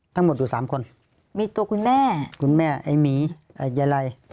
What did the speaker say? ทั้งหมดอยู่สามคนมีตัวคุณแม่คุณแม่ไอ้หมียายไร